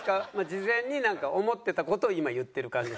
事前に思ってた事を今言ってる感じですか？